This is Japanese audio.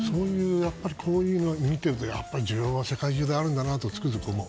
こういうのを見ていると需要は世界中であるんだとつくづく思う。